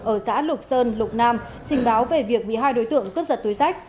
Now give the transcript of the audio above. ở xã lục sơn lục nam trình báo về việc bị hai đối tượng cướp giật túi sách